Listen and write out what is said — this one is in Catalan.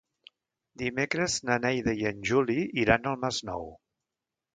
Dimecres na Neida i en Juli iran al Masnou.